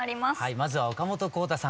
まずは岡本幸太さん